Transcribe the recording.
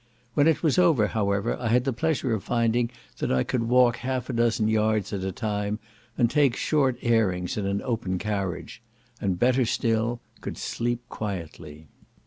When it was over, however, I had the pleasure of finding that I could walk half a dozen yards at a time, and take short airings in an open carriage; and better still, could sleep quietly.